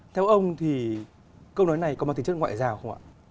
theo ông thì câu nói này có mang tính chất ngoại giao không ạ